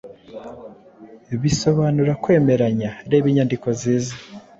bisobanura kwemeranya Reba Inyandiko nziza